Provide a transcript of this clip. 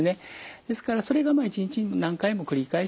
ですからそれが一日何回も繰り返して起こる。